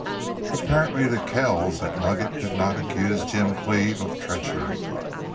17 Apparently to Kells that nugget did not accuse Jim Cleve of treachery.